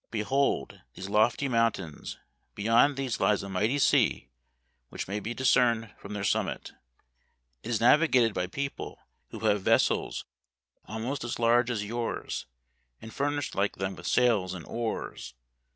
Behold these lofty mountains ; beyond these lies a mighty sea which may be discerned from their summit. It is navigated by people who have vessels almost as large as yours, and Memoir of Washington Irving. 203 furnished like them with sails and oars.